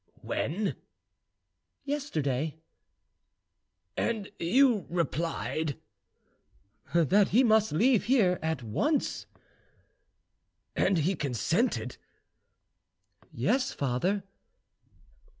"When?" "Yesterday." "And you replied—?" "That he must leave here at once." "And he consented?" "Yes, father."